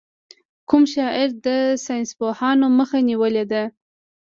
کوم شاعر د ساینسپوهانو مخه نېولې ده.